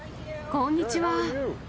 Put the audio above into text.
こんにちは。